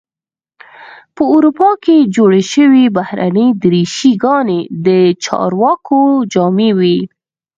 په اروپا کې جوړې شوې بهترینې دریشي ګانې د چارواکو جامې وې.